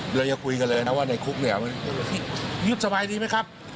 เราจะคุยกันเลยนะว่าในคุกเนี่ยมันยุบสบายดีไหมครับ